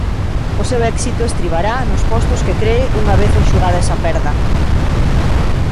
O seu éxito estribará nos postos que cree unha vez enxugada esa perda.